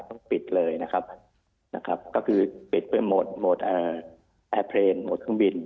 ต้องปิดเลยนะครับนะครับก็คือปิดไปหมดหมดแอร์เทรนด์หมดเครื่องบิน